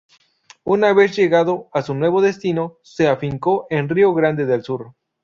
Una vez llegado a su nuevo destino, se afincó en Río Grande del Sur.